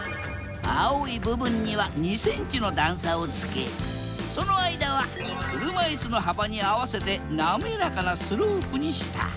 青い部分には２ｃｍの段差をつけその間は車いすの幅に合わせて滑らかなスロープにした。